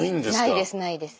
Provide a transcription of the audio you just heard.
ないですないです。